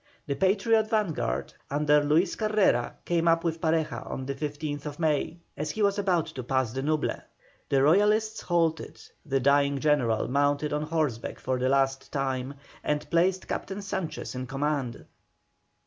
The Patriot vanguard under Luis Carrera came up with Pareja on the 15th May, as he was about to pass the Nuble. The Royalists halted, the dying general mounted on horseback for the last time, and placed Captain Sanchez in command.